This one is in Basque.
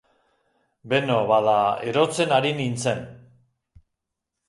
Beno, bada, erotzen ari nintzen.